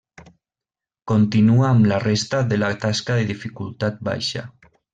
Continua amb la resta de la tasca de dificultat baixa.